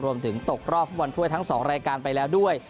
รวมถึงตกรอบฟับวันถ้วยทั้งสองรายการไปแล้วด้วย